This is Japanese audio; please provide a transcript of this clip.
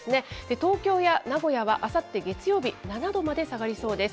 東京や名古屋はあさって月曜日、７度まで下がりそうです。